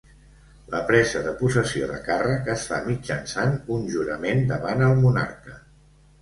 La presa de possessió de càrrec es fa mitjançant un jurament davant el monarca.